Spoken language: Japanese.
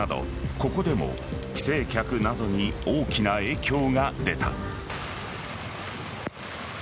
ここでも帰省客などに大きな影響が出た。